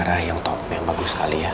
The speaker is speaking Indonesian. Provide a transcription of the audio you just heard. daerah yang top yang bagus sekali ya